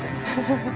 フフフッ。